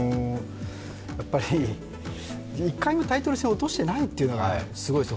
やっぱり１回もタイトル戦落としてないというのがすごいです。